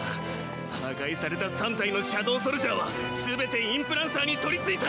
破壊された３体のシャドウソルジャーはすべてインプランサーに取りついた！